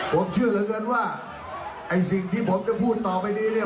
ผมเชื่อเหลือเกินว่าไอ้สิ่งที่ผมจะพูดต่อไปนี้เนี่ย